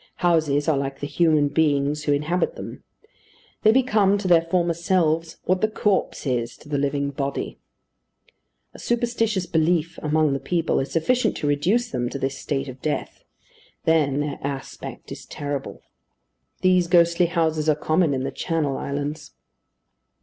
Houses are like the human beings who inhabit them. They become to their former selves what the corpse is to the living body. A superstitious belief among the people is sufficient to reduce them to this state of death. Then their aspect is terrible. These ghostly houses are common in the Channel Islands.